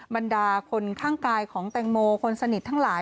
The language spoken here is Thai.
บรรดาคนข้างกายของแตงโมคนสนิททั้งหลาย